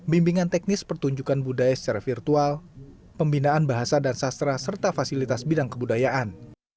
bimbingan teknis pertunjukan budaya secara virtual pembinaan bahasa dan sastra serta fasilitas bidang kebudayaan